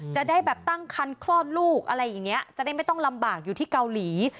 จะได้แบบตั้งคันคลอดลูกอะไรอย่างนี้จะได้ไม่ต้องลำบากอยู่ที่เกาหลี